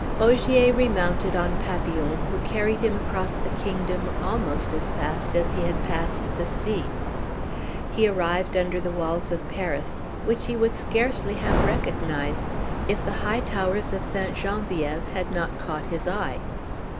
Ogier remounted on Papillon, who carried him across the kingdom almost as fast as he had passed the sea. He arrived under the walls of Paris, which he would scarcely have recognized if the high towers of St. Genevieve had not caught his eye.